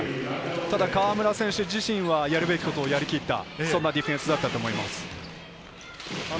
河村選手自身は、やることをやりきった、そういうディフェンスなと思います。